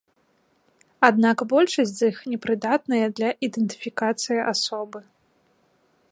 Аднак большасць з іх непрыдатныя для ідэнтыфікацыі асобы.